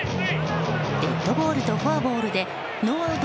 デッドボールとフォアボールでノーアウト